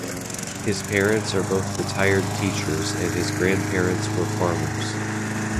His parents are both retired teachers and his grandparents were farmers.